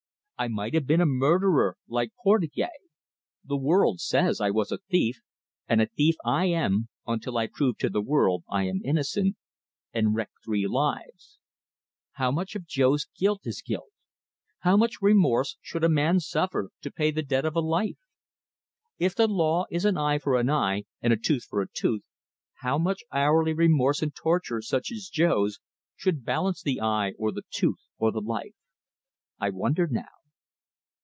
I might have been a murderer like Portugais. The world says I was a thief, and a thief I am until I prove to the world I am innocent and wreck three lives! How much of Jo's guilt is guilt? How much remorse should a man suffer to pay the debt of a life? If the law is an eye for an eye and a tooth for a tooth, how much hourly remorse and torture, such as Jo's, should balance the eye or the tooth or the life? I wonder, now!"